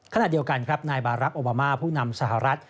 ขณะเดียวกันครับนายบารักษ์โอบามาผู้นำสหรัฐ